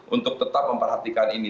untuk tetap memperhatikan ini